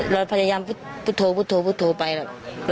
เราพยายามพุทธโทพุทธโทพุทธโทไปแล้ว